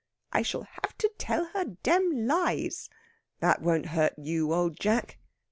"I shall have to tell her dam lies." "That won't hurt you, Old Jack."